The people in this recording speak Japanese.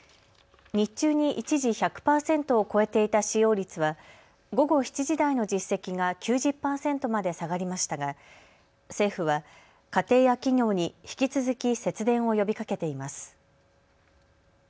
日中に一時１００％を超えていた使用率は午後７時台の実績が９０％まで下がりましたが政府は家庭や企業に引き続き節電を呼びかけています。